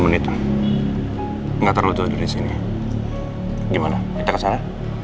dua puluh tiga menit enggak terlalu dari sini gimana kita ke sana